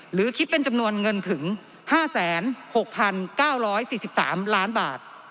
หรือคิดเป็นจำนวนเงินถึง๕๖๙๔๓ล้านบาท